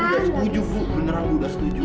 ibu udah setuju bu beneran ibu udah setuju